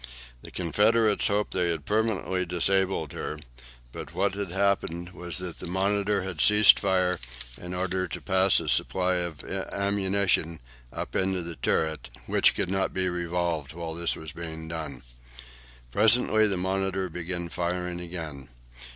The Confederates hoped they had permanently disabled her, but what had happened was that the "Monitor" had ceased fire in order to pass a supply of ammunition up into the turret, which could not be revolved while this was being done. Presently the "Monitor" began firing again.